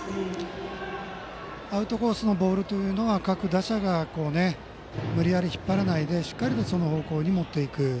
アウトコースのボールというのは各打者、無理やり引っ張らないでしっかり、その方向に持っていく。